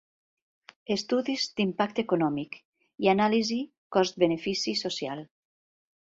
Estudis d'impacte econòmic i anàlisi cost-benefici social.